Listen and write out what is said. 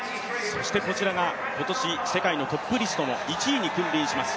こちらが今年世界のトップリストの１位に君臨します